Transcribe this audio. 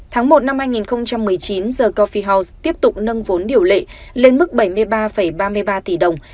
tháng một năm hai nghìn một mươi chín the cophie house tiếp tục nâng vốn điều lệ lên mức bảy mươi ba ba mươi ba tỷ đồng